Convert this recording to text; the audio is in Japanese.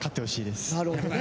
なるほどね。